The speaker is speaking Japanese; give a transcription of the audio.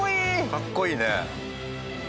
かっこいいね。